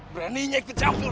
beraninya ikut jambul